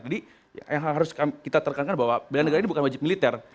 jadi yang harus kami kita terkankan bahwa bela negara ini bukan wajib militer